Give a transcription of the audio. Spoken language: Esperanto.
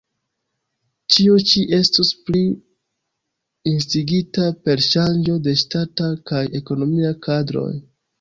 Ĉio ĉi estus plu instigita per ŝanĝo de ŝtata kaj ekonomia kadroj.